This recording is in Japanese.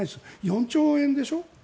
４兆円でしょ？